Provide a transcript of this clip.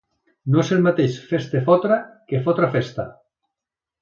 No és el mateix fes-te fotre que fotre festa.